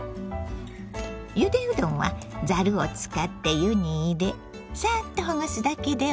ゆでうどんはざるを使って湯に入れさっとほぐすだけでＯＫ。